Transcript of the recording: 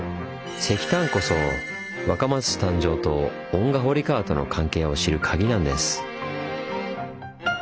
石炭こそ若松市誕生と遠賀堀川との関係を知るカギなんです。